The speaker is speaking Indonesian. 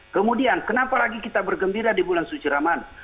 kemudian kenapa lagi kita bergembira di bulan suci ramadan